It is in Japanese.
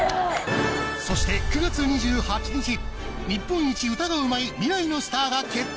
そして９月２８日日本一歌がうまい未来のスターが決定する！